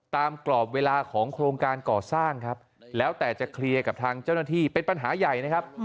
กรอบเวลาของโครงการก่อสร้างครับแล้วแต่จะเคลียร์กับทางเจ้าหน้าที่เป็นปัญหาใหญ่นะครับ